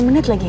lima menit lagi